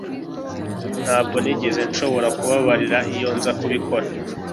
Ntabwo nigeze nshobora kubabarira iyo nza kubikora.